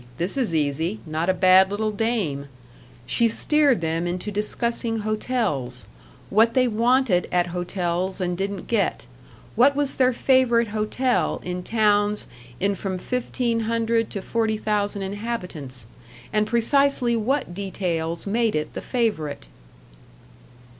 this is easy not a bad little dame," she steered them into discussing hotels; what they wanted at hotels and didn't get; what was their favorite hotel in towns in from fifteen hundred to forty thousand inhabitants, and precisely what details made it the favorite.